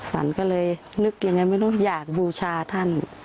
ฝันก็เลยนึกยังไงไม่รู้อยากบูชาท่าน